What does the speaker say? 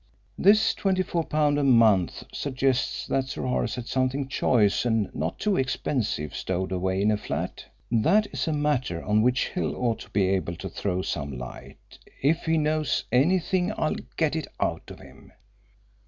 This £24 a month suggests that Sir Horace had something choice and not too expensive stowed away in a flat. That is a matter on which Hill ought to be able to throw some light. If he knows anything I'll get it out of him.